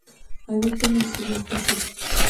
Habita en el Sudeste asiático.